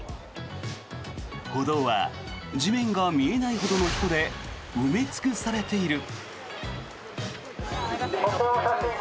歩道は地面が見えないほどの人で埋め尽くされている。